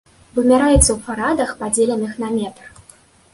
Вымяраецца ў фарадах, падзеленых на метр.